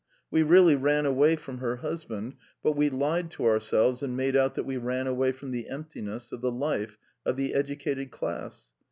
We really ran away from her husband, but we lied to ourselves and made out that we ran away from the emptiness of the life of the educated class.